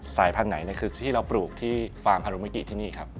สายพันธุ์ไหนคือที่เราปลูกที่ฟาร์มฮารุมิกิที่นี่ครับ